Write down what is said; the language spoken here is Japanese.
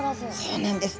そうなんです。